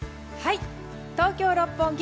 東京・六本木